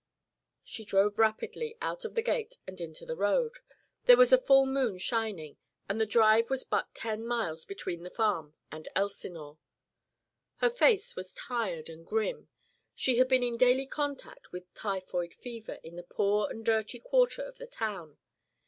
She drove rapidly out of the gate and into the road. There was a full moon shining and the drive was but ten miles between the farm and Elsinore. Her face was tired and grim. She had been in daily contact with typhoid fever in the poor and dirty quarter of the town.